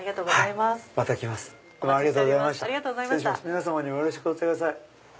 皆さんにもよろしくお伝えください。